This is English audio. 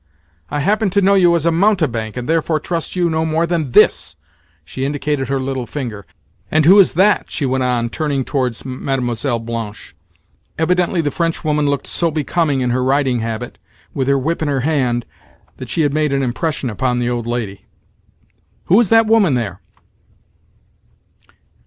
I happen to know you as a mountebank, and therefore trust you no more than this." She indicated her little finger. "And who is that?" she went on, turning towards Mlle. Blanche. Evidently the Frenchwoman looked so becoming in her riding habit, with her whip in her hand, that she had made an impression upon the old lady. "Who is that woman there?"